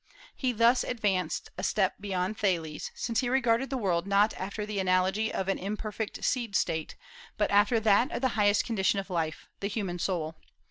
He thus advanced a step beyond Thales, since he regarded the world not after the analogy of an imperfect seed state, but after that of the highest condition of life, the human soul.